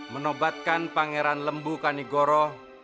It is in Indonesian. menobatkan pangeran lembu kanigoro